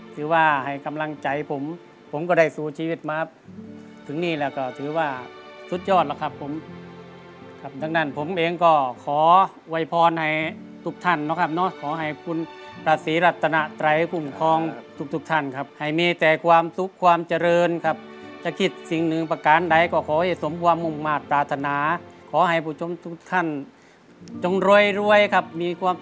ถือว่าให้กำลังใจผมผมก็ได้สู้ชีวิตมาถึงนี่แล้วก็ถือว่าสุดยอดแล้วครับผมครับดังนั้นผมเองก็ขอโวยพรให้ทุกท่านนะครับเนาะขอให้คุณพระศรีรัตนาไตรคุ้มครองทุกทุกท่านครับให้มีแต่ความสุขความเจริญครับจะคิดสิ่งหนึ่งประการใดก็ขอให้สมความมุ่งมาตราธนาขอให้ผู้ชมทุกท่านจงรวยรวยครับมีความ